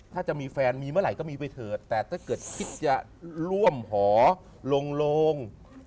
ถ้าจะมีแฟนมีเมื่อไหร่ก็มีไปเถิดแต่ถ้าเกิดคิดจะร่วมหอลง